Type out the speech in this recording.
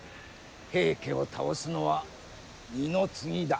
平家を倒すのは二の次だ。